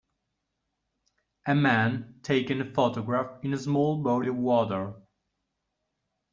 A man taking a photograph in a small body of water.